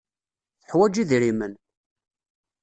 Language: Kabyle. Tuḥwaǧ idrimen.